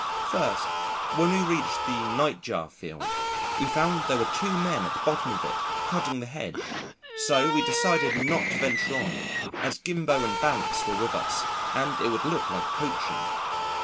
First, when we reached the "Nightjar Field," we found there were two men at the bottom of it cutting the hedge, so we decided not to venture on, as Gimbo and Bounce were with us, and it would look like poaching.